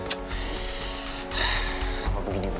kenapa gue gini banget ya